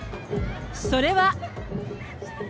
それは。